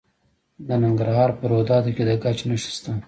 د ننګرهار په روداتو کې د ګچ نښې شته.